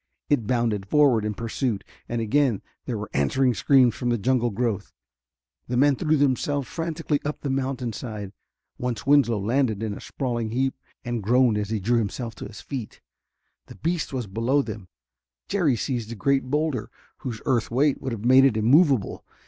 It bounded forward in pursuit. And again there were answering screams from the jungle growth. The men threw themselves frantically up the mountainside. Once Winslow landed in a sprawling heap and groaned as he drew himself to his feet. The beast was below them. Jerry seized a great boulder, whose earth weight would have made it immovable.